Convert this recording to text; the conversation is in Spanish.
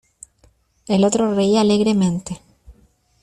el otro reía alegremente: